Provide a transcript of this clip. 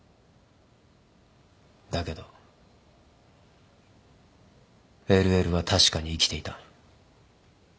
だけどＬＬは確かに生きていた。